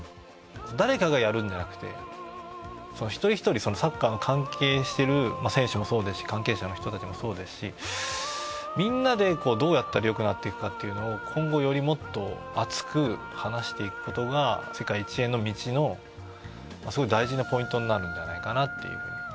誰かがやるんじゃなくて一人ひとりサッカーに関係してる選手もそうですし関係者の人たちもそうですしみんなでどうやったらよくなっていくかっていうのを今後よりもっと熱く話していくことが世界一への道のすごい大事なポイントになるんじゃないかなっていう。